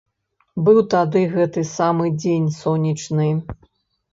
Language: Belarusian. Быў тады гэты самы дзень сонечны.